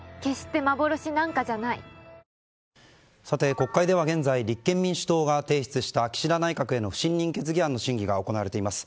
国会では現在立憲民主党が提出した岸田内閣への不信任決議案の審議が行われています。